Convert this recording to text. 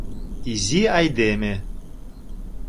Изи айдеме.